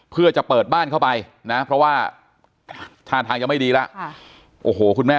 เพื่อจะเปิดบ้านเข้าไปนะเพราะว่าท่าทางยังไม่ดีแล้วโอ้โหคุณแม่